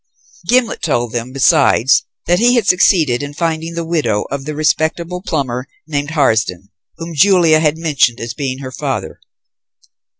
Gimblet told them, besides, that he had succeeded in finding the widow of the respectable plumber named Harsden, whom Julia had mentioned as being her father.